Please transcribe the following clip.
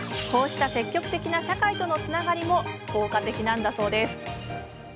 こうした積極的な社会とのつながりも効果的なんだそう。